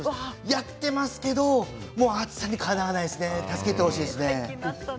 やっていますけど暑さにはかなわないですね助けてほしいです。